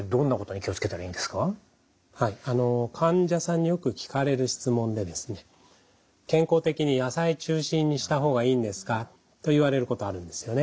患者さんによく聞かれる質問で「健康的に野菜中心にした方がいいんですか？」と言われることあるんですよね。